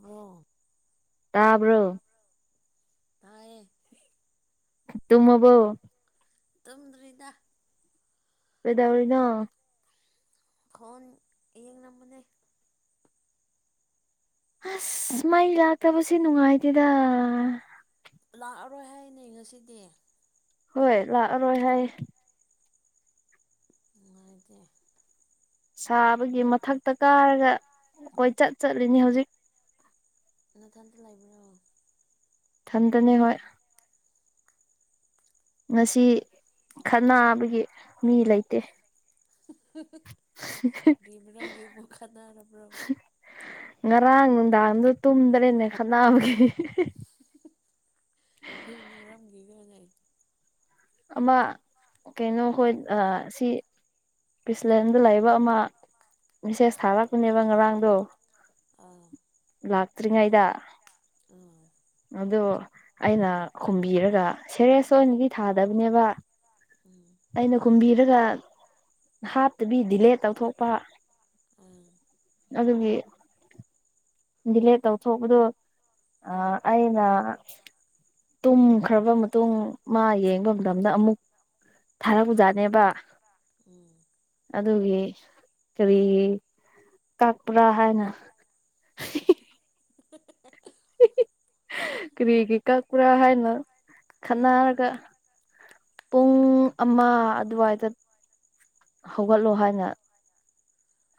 bro ꯇꯥꯕ꯭ꯔꯣ ꯇꯥꯌꯦ ꯇꯨꯝꯃꯕꯣ ꯇꯨꯝꯗ꯭ꯔꯤꯗ ꯀꯩꯗꯧꯔꯤꯅꯣ ꯈꯣꯟ ꯌꯦꯡꯔꯝꯕꯅꯦ ꯑꯁ ꯃꯩ ꯂꯥꯛꯇꯕꯁꯦ ꯅꯨꯡꯉꯥꯏꯇꯦꯗ ꯂꯥꯛꯑꯔꯣꯏ ꯍꯥꯏꯅꯦ ꯉꯁꯤꯗꯤ ꯍꯣꯏ ꯂꯥꯛꯑꯔꯣꯏ ꯍꯥꯏ ꯅꯨꯡꯉꯥꯢꯇꯦ ꯁꯥꯕꯒꯤ ꯃꯊꯛꯇ ꯀꯥꯔꯒ ꯀꯣꯏ ꯆꯠ ꯆꯠꯂꯤꯅꯤ ꯍꯧꯖꯤꯛ ꯅꯊꯟꯗ ꯂꯩꯕ꯭ꯔꯣ ꯊꯟꯗꯅꯦ ꯍꯣꯏ ꯉꯁꯤ ꯈꯅꯕꯒꯤ ꯃꯤ ꯂꯩꯇꯦ ꯀ꯭ꯔꯤ ꯃꯔꯝ ꯒꯤꯕꯨ ꯈꯅꯔꯕ꯭ꯔꯣ ꯉꯔꯥꯡ ꯅꯨꯡꯗꯥꯡꯗꯣ ꯇꯨꯝꯗ꯭ꯔꯦꯅꯦ ꯈꯠꯅꯕꯒꯤ ꯑꯩ ꯃꯔꯝꯒꯤ [unintelligible] ꯑꯃ ꯀꯩꯅꯣ ꯍꯣꯏ ꯑ ꯁꯤ ꯄꯤꯁꯂꯦꯟꯗ ꯂꯩꯕ ꯑꯃ ꯃꯤꯁꯦꯁ ꯊꯥꯔꯛꯄꯅꯦꯕ ꯉꯔꯥꯡꯗꯣ ꯑꯥ ꯂꯥꯛꯇ꯭ꯔꯤꯉꯩꯗ ꯑꯥ ꯎꯝ ꯑꯗꯨ ꯑꯩꯅ ꯈꯨꯝꯕꯤꯔꯒ ꯁꯦꯔꯦꯁ ꯑꯣꯏꯅꯗꯤ ꯊꯥꯗꯕꯅꯦꯕ ꯑꯩꯅ ꯈꯨꯝꯕꯤꯔꯒ ꯍꯥꯞꯇꯕꯤ ꯗꯤꯂꯦꯠ ꯇꯧꯊꯣꯛꯄ ꯑꯥ ꯑꯗꯨꯒꯤ ꯗꯤꯂꯦ ꯇꯧꯊꯣꯛꯄꯗꯣ ꯑꯥ ꯑꯩꯅ ꯇꯨꯝꯈ꯭ꯔꯕ ꯃꯇꯨꯡ ꯃꯥ ꯌꯦꯡꯕ ꯃꯇꯝꯗ ꯑꯃꯨꯛ ꯊꯥꯔꯛꯄꯖꯥꯠꯅꯦꯕ ꯎꯝ ꯑꯗꯨꯒꯤ ꯀꯔꯤ ꯀꯥꯛꯄꯔꯥ ꯍꯥꯏꯅ [unintelligible] ꯀꯔꯤꯒꯤ ꯀꯛꯄꯔꯥ ꯍꯥꯏꯅ ꯈꯟꯅꯔꯒ ꯄꯨꯡ ꯑꯃ ꯑꯗꯨꯋꯥꯏꯗ ꯍꯧꯒꯠꯂꯣ ꯍꯥꯏꯅ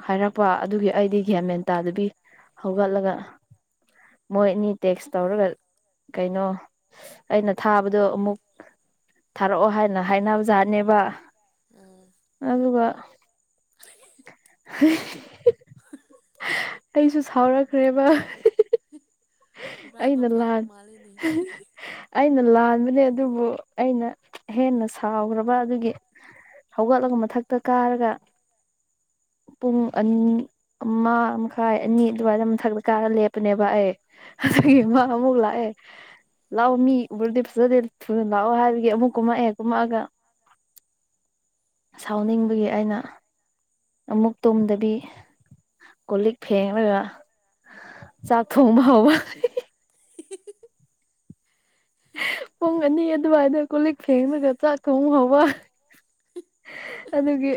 ꯍꯥꯏꯔꯛꯄ ꯑꯗꯨꯒꯤ ꯑꯩꯗꯤ ꯒꯌꯥ ꯃꯦꯟ ꯇꯥꯗꯨꯕꯤ ꯍꯧꯒꯠꯂꯒ ꯃꯣꯏ ꯑꯅꯤ ꯇꯦꯛꯁ ꯇꯧꯔꯒ ꯀꯩꯅꯣ ꯑꯩꯅ ꯊꯥꯕꯗꯣ ꯑꯃꯨꯛ ꯊꯥꯔꯛꯑꯣ ꯍꯥꯏꯅ ꯍꯥꯏꯅꯕꯖꯥꯠꯅꯦꯕ ꯑꯥ ꯑꯗꯨꯒ [unintelligible] ꯑꯩꯁꯨ ꯁꯥꯎꯔꯛꯈ꯭ꯔꯦꯕ [unintelligible] ꯍꯨꯔꯥꯟꯕ ꯑꯩꯅ ꯐꯥꯕ ꯂꯥꯟ ꯃꯥꯜꯂꯤꯅꯦ [unintelligible] ꯑꯩꯅ ꯂꯥꯟꯕꯅꯦ ꯑꯗꯨꯕꯨ ꯑꯩꯅ ꯍꯦꯟꯅ ꯁꯥꯎꯈ꯭ꯔꯕ ꯑꯗꯨꯒꯤ ꯍꯧꯒꯠꯂꯒ ꯃꯊꯛꯇ ꯀꯥꯔꯒ [inaudible] ꯄꯨꯡ ꯑꯅꯤ ꯑꯃ ꯃꯈꯥꯏ ꯑꯅꯤ ꯑꯗꯨꯃꯥꯏꯅ ꯃꯊꯛꯇ ꯀꯥꯔꯒ ꯂꯦꯞꯄꯅꯦꯕ ꯑꯩ ꯑꯗꯨꯒꯤ ꯑꯥ ꯏꯃ ꯑꯃꯨꯛ ꯂꯥꯛꯑꯦ ꯂꯥꯛꯑꯣ ꯃꯤ ꯎꯔꯗꯤ ꯐꯖꯗꯦ ꯊꯨꯅ ꯂꯥꯛꯑꯣ ꯍꯥꯏꯕꯒꯤ ꯑꯃꯨꯛ ꯀꯨꯝꯃꯛꯑꯦ ꯀꯨꯝꯃꯛꯑꯒ ꯁꯥꯎꯅꯤꯡꯕꯒꯤ ꯑꯩꯅ ꯑꯃꯨꯛ ꯇꯨꯝꯗꯕꯤ ꯀꯣ ꯂꯤꯛ ꯐꯦꯡꯉꯒ ꯆꯥꯛ ꯊꯣꯡꯕ ꯍꯧꯕ [unintelligible] ꯄꯨꯡ ꯑꯅꯤ ꯑꯗꯨꯋꯥꯏꯗ ꯀꯣꯂꯤꯛ ꯐꯦꯡꯂꯒ ꯆꯥꯛ ꯊꯣꯡ ꯍꯧꯕ ꯑꯗꯨꯒꯤ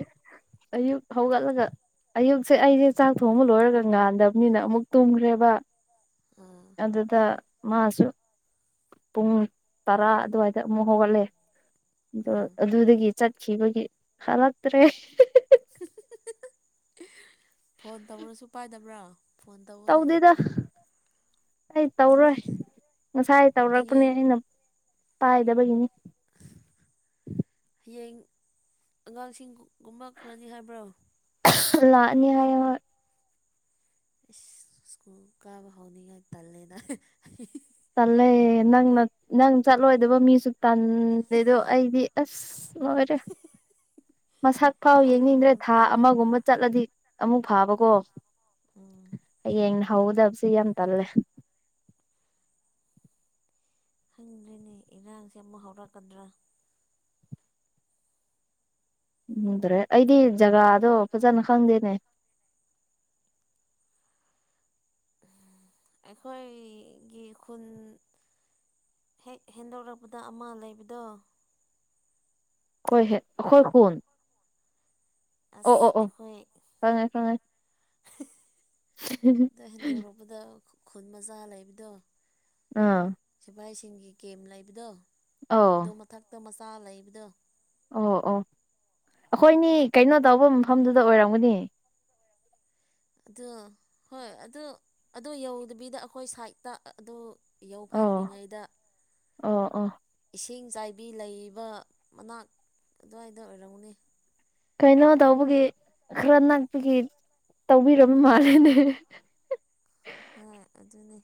ꯑꯌꯨꯛ ꯍꯧꯒꯠꯂꯒ ꯑꯌꯨꯛꯁꯦ ꯑꯩꯁꯦ ꯆꯥꯛ ꯊꯣꯡꯕ ꯂꯣꯏꯔꯒ ꯉꯥꯟꯗꯕꯅꯤꯅ ꯑꯃꯨꯛ ꯇꯨꯝꯈ꯭ꯔꯦꯕ ꯑꯥ ꯑꯗꯨꯗ ꯃꯥꯁꯨ ꯄꯨꯡ ꯇꯔꯥ ꯑꯗꯨꯋꯥꯏꯗ ꯑꯃꯨꯛ ꯍꯧꯒꯠꯂꯦ ꯑꯗꯣ ꯑꯥ ꯑꯗꯨꯗꯒꯤ ꯆꯠꯈꯤꯕꯒꯤ ꯍꯂꯛꯇ꯭ꯔꯦ [unintelligible] [unintelligible] ꯐꯣꯟ ꯇꯧꯔꯁꯨ ꯄꯥꯏꯗꯕ꯭ꯔꯥ ꯐꯣꯟ ꯇꯧꯑꯣꯅꯦ ꯇꯧꯗꯦꯗ ꯑꯩ ꯇꯧꯔꯣꯏ ꯉꯁꯥꯏ ꯇꯧꯔꯛꯄꯅꯦ ꯍꯌꯦꯡ ꯑꯩꯅ ꯄꯥꯏꯗꯕꯒꯤꯅꯤ ꯍꯌꯦꯡ ꯑꯉꯥꯡꯁꯤꯡ ꯀꯨꯝꯃꯛ ꯈꯔꯅꯤ ꯍꯥꯏꯕ꯭ꯔꯣ [unintelligible] ꯂꯥꯛꯑꯅꯤ ꯍꯥꯏꯌꯦ ꯍꯣꯏ ꯁꯀꯨꯜ ꯀꯥꯕ ꯍꯥꯎꯅꯤꯉꯥꯏ ꯇꯜꯂꯦꯗ ꯇꯜꯂꯦ ꯅꯪꯅ ꯅꯪ ꯆꯠꯂꯣꯏꯗꯕ ꯃꯤꯁꯨ ꯇꯥꯟꯗꯦꯗꯣ ꯑꯩꯗꯤ ꯑꯁ ꯂꯣꯏꯔꯦ [inaudible] ꯃꯁꯛ ꯐꯥꯎ ꯌꯦꯡꯅꯤꯡꯗ꯭ꯔꯦ ꯈꯜꯂꯨꯔꯒ ꯊꯥ ꯇꯜꯂꯦ ꯑꯃꯒꯨꯝꯕ ꯆꯠꯂꯗꯤ ꯑꯃꯨꯛ ꯐꯥꯕꯀꯣ ꯎꯝ ꯍꯌꯦꯡꯅ ꯍꯧꯒꯗꯕꯁꯤ ꯌꯥꯝ ꯇꯜꯂꯦ ꯈꯪꯗ꯭ꯔꯦꯅꯦ ꯏꯔꯥꯡꯁꯦ ꯑꯃꯨꯛ ꯍꯧꯔꯛꯀꯗ꯭ꯔꯥ ꯈꯪꯗ꯭ꯔꯦ ꯑꯩꯗꯤ ꯖꯒꯥꯗꯣ ꯐꯖꯅ ꯈꯪꯗꯦꯅꯦ [inaudible] ꯑꯩꯈꯣꯏꯒꯤ ꯈꯨꯟ ꯍꯦꯛ ꯍꯦꯟꯗꯣꯔꯛꯄꯗ ꯑꯃ ꯂꯩꯕꯗꯣ ꯑꯈꯣꯏ ꯍꯦꯛ ꯑꯈꯣꯏ ꯈꯨꯟ ꯑꯣ ꯑꯁ ꯑꯣ ꯑꯣ ꯑꯩꯈꯣꯏ ꯈꯪꯉꯦ ꯈꯪꯉꯦ ꯑꯗ ꯍꯦꯟꯗꯣꯔꯛꯄꯗ ꯈꯨꯟ ꯃꯆꯥ ꯂꯩꯕꯗꯣ ꯑꯥ ꯁꯤꯐꯥꯏꯁꯤꯡꯒꯤ ꯀꯦꯝ ꯂꯩꯕꯗꯣ ꯑꯣ ꯑꯗꯨ ꯃꯊꯛꯇ ꯃꯆꯥ ꯂꯩꯕꯗꯣ ꯑꯣ ꯑꯣ ꯑꯩꯈꯣꯏꯅꯤ ꯀꯩꯅꯣ ꯇꯧꯕ ꯃꯐꯝꯗꯨꯗ ꯑꯣꯏꯔꯝꯒꯅꯤ ꯑꯗꯨ ꯍꯣꯏ ꯑꯗꯨ ꯑꯗꯨ ꯌꯧꯗꯕꯤꯗ ꯑꯩꯈꯣꯏ ꯁꯥꯏꯠꯇ ꯑꯗꯨ ꯑꯣ ꯌꯧꯐꯥꯠꯗ꯭ꯔꯤꯉꯩꯗ ꯑꯣ ꯑꯣ ꯏꯁꯤꯡ ꯆꯥꯏꯕꯤ ꯂꯩꯕ ꯃꯅꯥꯛ ꯑꯗꯨꯋꯥꯏꯗ ꯑꯣꯏꯔꯝꯒꯅꯤ ꯀꯩꯅꯣ ꯇꯧꯕꯒꯤ ꯈꯔ ꯅꯛꯄꯒꯤ ꯇꯧꯕꯤꯔꯝ ꯃꯥꯜꯂꯦꯅꯦ ꯍꯣꯏ ꯑꯗꯨꯅꯦ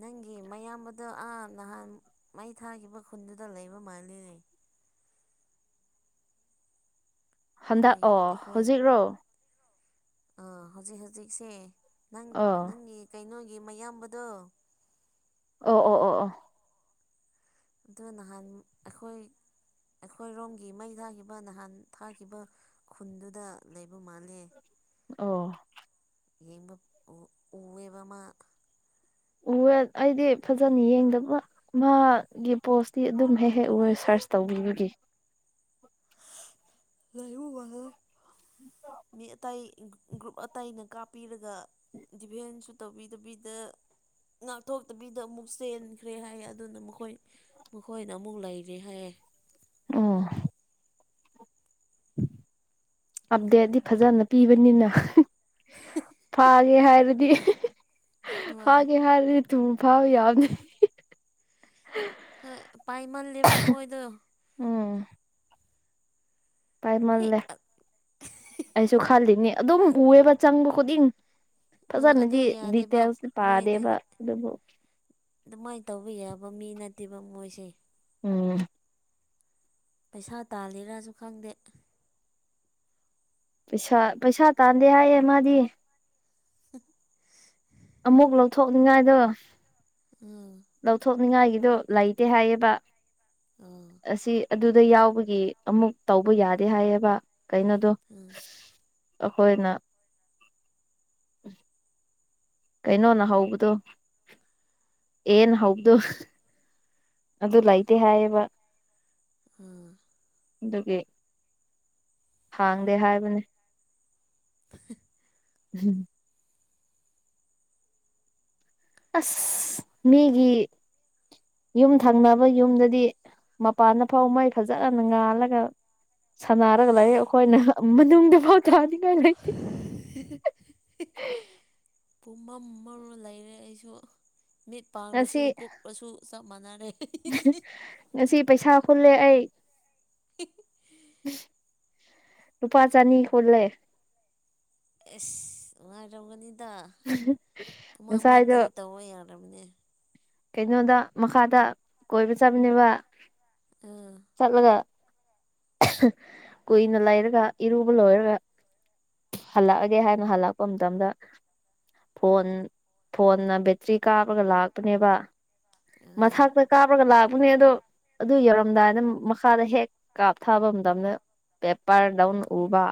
ꯅꯪꯒꯤ ꯃꯌꯥꯝꯕꯗꯣ ꯑꯥ ꯅꯍꯥꯟ ꯃꯩ ꯊꯥꯈꯤꯕ ꯈꯨꯟꯗꯨꯗ ꯂꯩꯕ ꯃꯥꯜꯂꯤꯅꯦ ꯍꯟꯗꯛ ꯑꯩꯈꯣꯏ ꯑꯣ ꯍꯧꯖꯤꯛꯔꯣ ꯑ ꯍꯧꯖꯤꯛ ꯍꯧꯖꯤꯛꯁꯦ ꯅꯪ ꯑꯣ ꯅꯪꯒꯤ ꯀꯩꯅꯣꯒꯤ ꯒꯤ ꯑꯌꯥꯝꯕꯗꯣ ꯑꯣ ꯑꯣ ꯑꯣ ꯑꯣ ꯑꯗꯨ ꯅꯍꯥꯟ ꯑꯩꯈꯣꯏ ꯑꯩꯈꯣꯏꯔꯣꯝꯒꯤ ꯃꯩ ꯊꯥꯈꯤꯕ ꯅꯍꯥꯟ ꯊꯥꯈꯤꯕ ꯈꯨꯟꯗꯨꯗ ꯂꯩꯕ ꯃꯥꯜꯂꯦ ꯑꯣ ꯌꯦꯡꯕ ꯎ ꯎꯋꯦꯕ ꯃꯥ ꯎꯋꯦ ꯑꯩꯗꯤ ꯐꯖꯅ ꯌꯦꯡꯗꯕ ꯃꯥ ꯒꯤ ꯄꯣꯁꯇꯤ ꯑꯗꯨꯝ ꯍꯦꯛ ꯍꯦꯛ ꯎꯋꯦ ꯁꯥꯔ ꯇꯧꯕꯤꯅꯤꯒꯤ [inaudible] ꯂꯩꯕ ꯃꯥꯂꯦ ꯃꯤ ꯑꯇꯩꯥ ꯒ꯭ꯔꯨ ꯒ꯭ꯔꯨꯞ ꯑꯇꯩꯅ ꯀꯥꯞꯄꯤꯔꯒ ꯗꯤꯚꯦꯟꯁꯨ ꯇꯧꯕꯤꯗꯕꯤꯗ ꯉꯥꯛꯊꯣꯛꯇꯕꯤꯗ ꯑꯃꯨꯛ ꯆꯦꯟꯈ꯭ꯔꯦ ꯍꯥꯏꯌꯦ ꯑꯗꯨꯅ ꯃꯈꯣꯏ ꯃꯈꯣꯏꯅ ꯑꯃꯨꯛ ꯂꯩꯔꯦ ꯍꯥꯏꯌꯦ ꯑꯣ ꯑꯞꯗꯦꯠꯗꯤ ꯐꯖꯅ ꯄꯤꯕꯅꯤꯅ ꯐꯥꯒꯦ ꯍꯥꯏꯔꯗꯤ ꯍꯣꯏ ꯐꯦꯒꯦ ꯍꯥꯏꯔꯗꯤ ꯊꯨ ꯐꯥꯕ ꯌꯥꯕꯅꯦ ꯍꯣꯏ ꯄꯥꯏꯃꯜꯂꯦꯕ ꯃꯣꯏꯗꯣ ꯎꯝ ꯍꯦꯛ ꯄꯥꯏꯃꯜꯂꯦ ꯑꯩꯁꯨ ꯈꯜꯂꯤꯅꯤ ꯑꯗꯨꯝ ꯎꯑꯦꯕ ꯆꯪꯕ ꯈꯨꯗꯤꯡ ꯑꯗꯨ ꯐꯖꯅꯗꯤ ꯌꯥꯗꯦꯕ ꯗꯤꯇꯦꯜꯁꯗꯤ ꯄꯥꯗꯦꯕ ꯑꯗꯨꯕꯨ ꯑꯗꯨꯃꯥꯏ ꯇꯧꯕ ꯌꯥꯕ ꯃꯤ ꯅꯠꯇꯦꯕ ꯃꯣꯏꯁꯦ ꯎꯝ ꯄꯩꯁꯥ ꯇꯥꯜꯂꯤꯔꯥꯁꯨ ꯈꯪꯗꯦ ꯄꯩꯁꯥ ꯄꯩꯁꯥ ꯇꯥꯟꯗꯦ ꯍꯥꯏꯌꯦ ꯃꯥꯗꯤ [unintelligible] ꯑꯃꯨꯛ ꯂꯧꯊꯣꯛꯅꯤꯉꯥꯏꯗꯣ ꯎꯝ ꯅꯤꯡꯉꯥꯏꯒꯤꯗꯣ ꯂꯩꯇꯦ ꯍꯥꯏꯌꯦꯕ ꯑꯥ ꯑꯁꯤ ꯑꯗꯨꯗ ꯌꯥꯎꯕꯒꯤ ꯑꯃꯨꯛ ꯇꯧꯕ ꯌꯥꯗꯦ ꯍꯥꯏꯌꯦꯕ ꯀꯩꯅꯣꯗꯣ ꯎꯝ ꯑꯈꯣꯏꯅ ꯀꯩꯅꯣꯅ ꯍꯧꯕꯗꯣ ꯑꯦꯟꯅ ꯍꯧꯕꯗꯨ [unintelligible] ꯑꯗꯨ ꯂꯩꯥꯇꯦ ꯍꯥꯏꯌꯦꯕ ꯎꯝ ꯗꯨꯒꯤ ꯍꯥꯡꯗꯦ ꯍꯥꯏꯕꯅꯦ [unintelligible] [inaudible] ꯑꯁ ꯃꯤꯒꯤ ꯌꯨꯝ ꯊꯪꯅꯕ ꯌꯨꯝꯗꯗꯤ ꯃꯄꯥꯟꯗ ꯐꯧ ꯃꯩ ꯐꯖꯅ ꯉꯥꯜꯂꯒ ꯁꯥꯟꯅꯔꯒ ꯂꯩ ꯑꯈꯣꯏꯅ ꯃꯅꯨꯡꯗ ꯐꯥꯎ ꯊꯥꯟꯅꯤ [unintelligible] ꯄꯨꯝꯃꯝ ꯃꯝꯔ ꯂꯩꯔꯦ ꯑꯩꯁꯨ ꯃꯤꯠ ꯄꯥꯡꯂꯁꯨ ꯉꯁꯤ ꯀꯨꯞꯂꯁꯨ ꯆꯞ ꯃꯥꯟꯅꯔꯦ ꯑꯩꯗꯤ [unintelligible] ꯉꯁꯤ ꯄꯩꯁꯥ ꯈꯨꯜꯂꯦ ꯑꯩ ꯂꯨꯄꯥꯥ ꯆꯥꯅꯤ ꯈꯨꯜꯂꯦ ꯑꯦꯁ ꯅꯨꯡꯉꯥꯏꯔꯝꯒꯅꯤ [unintelligible] ꯉꯁꯥꯏꯗꯣ ꯔꯝꯃꯅꯤ ꯀꯩꯅꯣꯗ ꯃꯈꯥꯗ ꯀꯣꯏꯕ ꯆꯠꯕꯅꯦꯕ ꯑꯥ ꯆꯠꯂꯒ [unintelligible] ꯀꯨꯏꯅ ꯂꯩꯔꯒ ꯏꯔꯨꯕ ꯂꯣꯏꯔꯒ ꯍꯜꯂꯛꯑꯒꯦ ꯍꯥꯏꯅ ꯍꯜꯂꯛꯄ ꯃꯇꯝꯗ ꯐꯣꯟ ꯐꯣꯟꯅ ꯕꯦꯇ꯭ꯔꯤ ꯀꯥꯞꯔꯒ ꯂꯥꯛꯄꯅꯦꯕ ꯑꯥ ꯃꯊꯛꯇ ꯀꯥꯞꯔꯒ ꯂꯥꯛꯄꯅꯦ ꯑꯗꯣ ꯑꯗꯨ ꯌꯧꯔꯝꯗꯥꯏꯗ ꯃꯈꯥꯗ ꯍꯦꯛ ꯀꯥꯞꯊꯕ ꯃꯇꯝꯗ ꯄꯦꯄꯔꯗꯧꯟ ꯎꯕ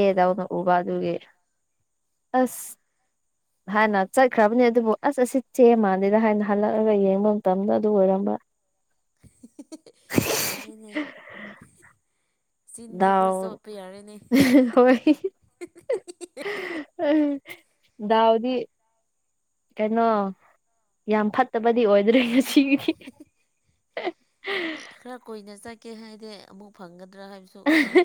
ꯑꯥ ꯎꯕ ꯑꯗꯨꯒꯤ ꯑꯁ ꯍꯥꯟꯅ ꯆꯠꯈ꯭ꯔꯕꯅꯦ ꯑꯗꯨꯕꯨ ꯑꯁ ꯑꯁꯤ ꯆꯦ ꯃꯥꯟꯂꯦꯗ ꯍꯥꯏꯅ ꯍꯜꯂꯛꯑꯒ ꯌꯦꯡꯕ ꯃꯇꯝꯗ ꯑꯗꯨ ꯑꯣꯏꯔꯝꯕ [unintelligible] ꯐꯥꯔꯦꯅꯦ ꯗꯥꯎ ꯍꯤ ꯍꯣꯏ [unintelligible] ꯗꯥꯎꯗꯤ ꯀꯩꯅꯣ ꯌꯥꯝ ꯐꯠꯇꯕꯗꯤ ꯑꯣꯏꯗ꯭ꯔꯤ ꯉꯁꯤꯒꯤꯗꯤ ꯀꯦ ꯍꯥꯏꯗꯦ ꯑꯃꯨꯛ ꯐꯪꯒ ꯑꯍꯦ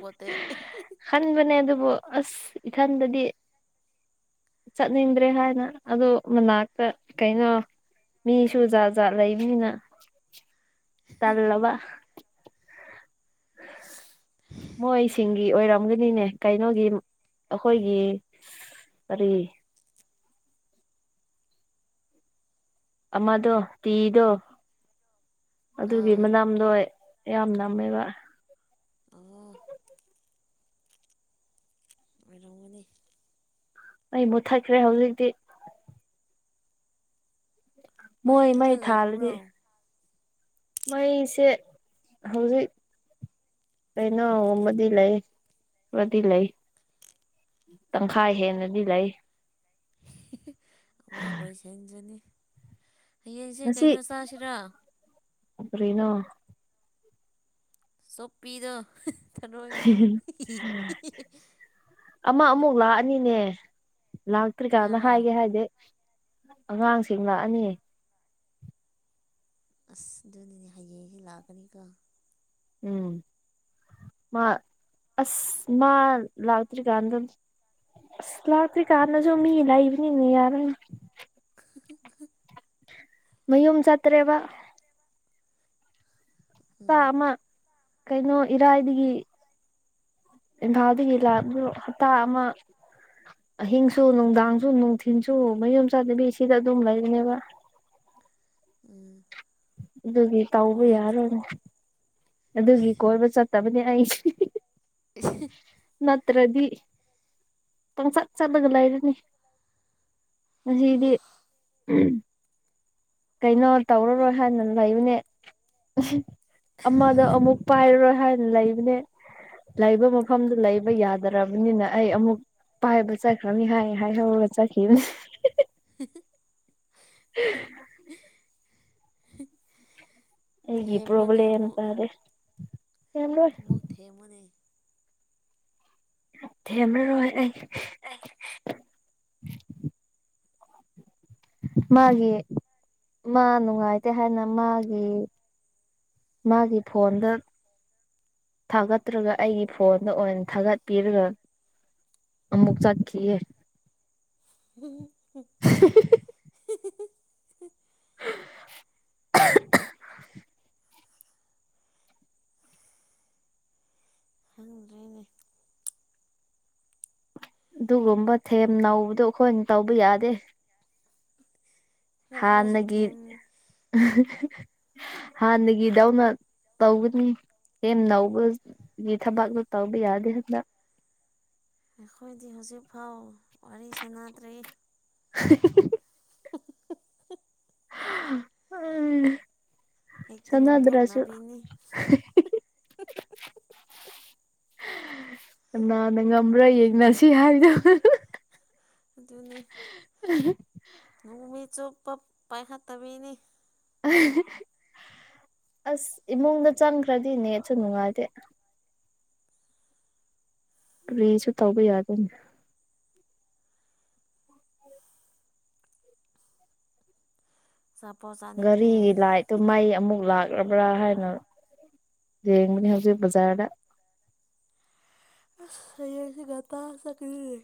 ꯈꯟꯕꯅꯦ ꯑꯗꯨꯕꯨ ꯑꯁ ꯏꯊꯟꯗꯗꯤ ꯆꯠꯅꯤꯡꯗ꯭ꯔꯦ ꯍꯥꯏꯅ ꯑꯗꯣ ꯃꯅꯥꯛꯇ ꯀꯩꯅꯣ ꯃꯤꯁꯨ ꯖꯥꯠ ꯖꯥꯠ ꯂꯩꯕꯅꯤꯅ ꯇꯜꯂꯕ [inaudible] ꯃꯣꯏꯁꯤꯡꯒꯤ ꯑꯣꯏꯔꯝꯒꯅꯤꯅꯦ ꯀꯩꯅꯣꯒꯤ ꯑꯩꯈꯣꯏꯒꯤ ꯀꯔꯤ ꯑꯃꯗꯣ ꯇꯤꯗꯣ ꯑꯗꯨꯒꯤ ꯑꯥ ꯃꯅꯝꯗꯣ ꯌꯥꯝ ꯅꯝꯃꯦꯕ ꯑꯣ ꯑꯣꯏꯔꯝꯒꯅꯤ ꯑꯩ ꯃꯨꯠꯊꯠꯈ꯭ꯔꯦ ꯍꯧꯖꯤꯛꯇꯤ ꯃꯣꯏ ꯈꯔ ꯃꯩ ꯊꯥꯜꯂꯗꯤ ꯂꯩꯔꯕ꯭ꯔꯣ ꯃꯩꯁꯦ ꯍꯧꯖꯤꯛ ꯀꯩꯅꯣꯃꯗꯤ ꯂꯩ ꯃꯗꯤ ꯂꯩꯌꯦ ꯇꯪꯈꯥꯏ ꯍꯦꯟꯅꯗꯤ ꯂꯩ ꯑꯃꯨꯛ ꯂꯣꯏꯁꯟꯖꯅꯤ ꯍꯌꯦꯡꯁꯦ ꯉꯁꯤ ꯀꯩꯅꯣ ꯆꯥꯁꯤꯔ ꯀꯔꯤꯅꯣ ꯆꯨꯞꯄꯤꯗꯣ ꯊꯔꯣꯏꯗꯣ ꯍꯤ ꯍꯤꯍꯤ ꯑꯃ ꯑꯃꯨꯛ ꯂꯥꯛꯑꯅꯤꯅꯦ ꯂꯥꯛꯇ꯭ꯔꯤꯀꯥꯟꯅ ꯀꯅꯥꯔꯥ ꯍꯥꯏꯒꯦ ꯍꯥꯏꯗꯤ ꯑꯉꯥꯡꯁꯤꯡ ꯂꯥꯛꯑꯅꯤ ꯑꯁ ꯑꯗꯨꯅꯤꯅꯦ ꯍꯌꯦꯡꯗꯤ ꯂꯥꯛꯀꯅꯤꯀꯣ ꯎꯝ ꯃꯥ ꯑꯁ ꯃꯥ ꯂꯥꯛꯇ꯭ꯔꯤꯀꯥꯟꯗ ꯑꯁ ꯂꯥꯛꯇ꯭ꯔꯤꯀꯥꯟꯗꯁꯨ ꯃꯤ ꯁꯩꯕꯅꯤꯅ ꯌꯥꯔꯣꯢꯅꯦ ꯃꯌꯨꯝ ꯆꯠꯇ꯭ꯔꯦꯕ ꯄꯥ ꯎꯝ ꯑꯃ ꯀꯩꯅꯣ ꯏꯔꯥꯏꯗꯒꯤ ꯏꯝꯐꯥꯜꯗꯒꯤ ꯂꯥꯛꯄꯗꯣ ꯍꯞꯇ ꯑꯃ ꯑꯍꯤꯡꯁꯨ ꯅꯨꯡꯗꯥꯡꯁꯨ ꯅꯨꯡꯊꯤꯟꯁꯨ ꯃꯌꯨꯝ ꯆꯠꯇꯕꯤ ꯁꯤꯗ ꯑꯗꯨꯝ ꯂꯩꯕꯅꯦꯕ ꯎꯝ ꯑꯗꯨꯒꯤ ꯑꯗꯨ ꯇꯧꯕ ꯑꯣꯏꯔꯗꯤ ꯌꯥꯔꯣꯏꯅꯦ ꯑꯗꯨꯒꯤ ꯀꯣꯏꯕ ꯆꯠꯇꯕꯅꯦ ꯑꯩꯁꯦ ꯇ꯭ꯔꯗꯤ ꯄꯪꯆꯠ ꯆꯠꯂꯒ ꯂꯩꯔꯅꯤ ꯉꯁꯤꯗꯤ ꯀꯩꯩꯅꯣ ꯇꯧꯔꯔꯣꯏ ꯍꯥꯏꯅ ꯂꯩꯕꯅꯦ ꯑꯃꯗ ꯑꯃꯨꯛ ꯄꯥꯏꯔꯔꯣꯏ ꯍꯥꯏꯅ ꯂꯩꯕꯅꯦ ꯂꯩꯕ ꯃꯐꯝꯗꯨ ꯂꯩꯕ ꯌꯥꯗ꯭ꯔꯕꯅꯤꯅ ꯑꯩ ꯑꯃꯨꯛ ꯄꯥꯏꯕ ꯆꯠꯈ꯭ꯔꯅꯤ ꯍꯥꯏ ꯍꯥꯏ ꯍꯧꯒ ꯆꯠꯈꯤꯕꯅꯦ [unintelligible] [unintelligible] ꯑꯩꯒꯤ ꯊꯦꯝꯃꯣꯅꯦ ꯄ꯭ꯔꯣꯕ꯭ꯂꯦꯝ ꯇꯥꯔꯦ ꯊꯦꯝꯔꯣꯏ ꯃꯨꯛ ꯊꯦꯝꯃꯣꯅꯦ ꯊꯦꯝꯔꯔꯣꯢ ꯑꯩ [unintelligible] [inaudible] ꯃꯥꯒꯤ ꯃꯥ ꯅꯨꯡꯉꯥꯏꯇꯦ ꯍꯥꯏꯅ ꯃꯥꯒꯤ ꯃꯥꯒꯤ ꯐꯣꯟꯗ ꯊꯥꯒꯠꯇ꯭ꯔꯒ ꯑꯩꯒꯤ ꯐꯣꯟꯗ ꯑꯣꯏꯅ ꯊꯥꯒꯠꯄꯤꯔꯒ ꯑꯃꯨꯛ ꯆꯠꯈꯤꯌꯦ [unintelligible] ꯍꯤꯍꯤ [unintelligible] ꯈꯪꯗ꯭ꯔꯦꯅꯦ ꯑꯗꯨꯒꯨꯝꯕ ꯊꯦꯝ ꯅꯧꯕꯗꯣ ꯑꯩꯈꯣꯏꯅ ꯇꯧꯕ ꯌꯥꯗꯦ ꯈꯔ ꯈꯔꯁꯨ ꯍꯥꯟꯅꯒꯤ ꯊꯦꯝ [unintelligible] [inaudible] ꯍꯥꯟꯅꯒꯤ ꯗꯧꯅ ꯇꯧꯒꯅꯤ ꯊꯦꯝ ꯅꯧꯕꯒꯤ ꯊꯕꯥꯛꯇꯣ ꯇꯧꯕ ꯌꯥꯗꯦ ꯍꯟꯇꯛ ꯑꯩꯈꯣꯏꯗꯤ ꯍꯧꯖꯤꯛꯐꯥꯎ ꯋꯥꯔꯤ ꯁꯥꯟꯅꯗ꯭ꯔꯤ [unintelligible] [unintelligible] [unintelligible] ꯑꯩ ꯍꯦꯛꯇ ꯉꯝꯊꯣꯛꯅꯕꯤꯅꯤ ꯀꯅꯥꯅ ꯉꯝꯕ꯭ꯔꯥ ꯌꯦꯡꯅꯁꯤ ꯍꯥꯏꯗꯣ [unintelligible] ꯑꯗꯨꯅꯦ [unintelligible] ꯅꯣꯡꯃꯤꯠ ꯆꯨꯞꯄ ꯄꯥꯏꯈꯠꯇꯕꯤꯅꯤ [unintelligible] ꯑꯁ ꯏꯃꯨꯡꯗ ꯆꯪꯈ꯭ꯔꯗꯤ ꯅꯦꯠꯁꯨ ꯅꯨꯡꯉꯥꯏꯇꯦ ꯀ꯭ꯔꯤꯁꯨ ꯇꯧꯕ ꯌꯥꯗꯣꯏꯅꯤ ꯑꯆꯥꯄꯣꯠ ꯆꯥꯅꯤꯡꯉꯦ ꯘꯔꯤꯒꯤ ꯂꯥꯏꯠꯇꯣ ꯃꯩ ꯑꯃꯨꯛ ꯂꯥꯛ ꯄꯣꯔꯛꯄ꯭ꯔꯥ ꯍꯥꯏꯅ ꯌꯦꯡꯕꯅꯦ ꯍꯧꯖꯤꯛ ꯕꯖꯥꯔꯗ ꯑꯁ ꯍꯌꯦꯡꯗꯤ ꯉꯟꯇꯥ ꯆꯠꯀꯅꯤ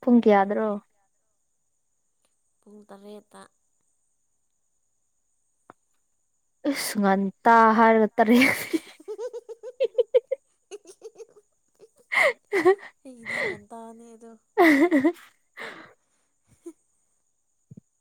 ꯄꯨꯡ ꯀꯌꯥꯗ꯭ꯔꯣ ꯄꯨꯡ ꯇꯔꯦꯠ ꯇ ꯏꯁ ꯉꯟꯇꯥ ꯍꯥꯢꯔꯒ ꯇꯔꯦꯠ ꯑꯩꯒꯤꯗꯤ ꯉꯟꯇꯥꯅꯦ ꯑꯗꯣ